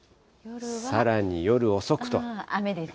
さらに夜遅くと。